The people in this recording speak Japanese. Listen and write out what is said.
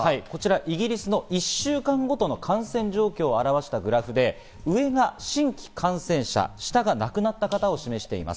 イギリスの１週間ごとの感染状況を表したグラフで、上が新規感染者、下が亡くなった方を示しています。